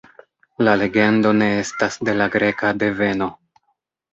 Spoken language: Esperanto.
La legendo ne estas de la greka deveno.